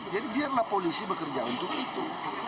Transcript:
jadi biarlah polisi bekerja untuk itu